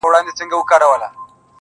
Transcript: كېداى سي بيا ديدن د سر په بيه وټاكل سي.